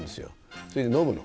それで飲むの。